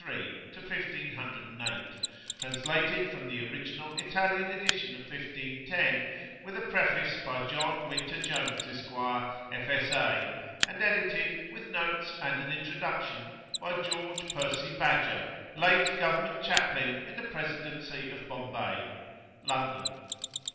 1503 to 1508. Translated from the original Italian edition of 1510, with a Preface by John Winter Jones, Esq., F.S.A., and edited, [p.xx]with notes and an Introduction, by George Percy Badger, late Government Chaplain in the Presidency of Bombay. London.)